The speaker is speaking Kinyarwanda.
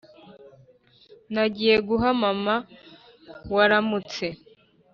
nagiye guha mama waramutse.